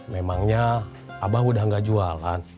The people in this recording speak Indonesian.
memangnya abah udah gak jualan